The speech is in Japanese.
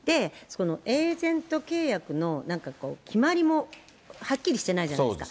エージェント契約のなんかこう、決まりもはっきりしてないじゃないですか。